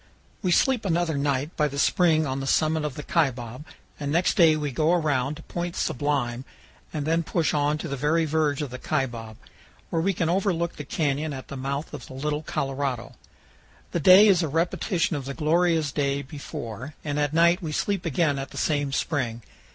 We sleep another night by the spring on the summit of the Kaibab, and next day we go around to Point Sublime and then push on to the very verge of the Kaibab, where we can overlook the canyon at the mouth of the Little Colorado. The day is a repetition of the glorious day before, and at night we sleep again at the same spring.